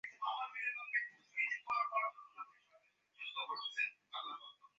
আমি আস্তে আস্তে বিমলার মাথায় হাত বুলোতে লাগলুম।